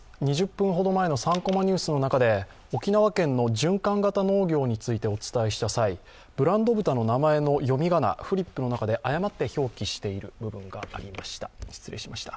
２０分ほど前の「３コマニュース」の中で沖縄県の循環型農業についてお伝えした際、ブランド豚の名前の読み仮名、フリップの中で誤って表記している部分がありました、失礼しました。